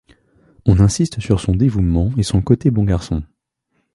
On insiste sur son dévouement et son côté bon garçon.